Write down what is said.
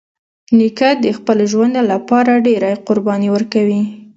نیکه د خپل ژوند له پاره ډېری قربانۍ ورکوي.